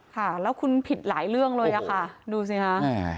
ค่ะแล้วคุณผิดหลายเรื่องเลยอะค่ะดูสิคะ